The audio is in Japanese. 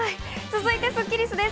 続いてスッキりすです。